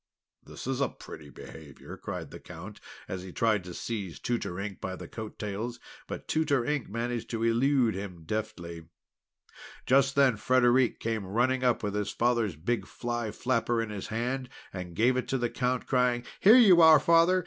"This is pretty behaviour!" cried the Count, as he tried to seize Tutor Ink by the coat tails; but Tutor Ink managed to elude him deftly. Just then Frederic came running up with his father's big fly flapper in his hand, and gave it to the Count, crying: "Here you are, Father!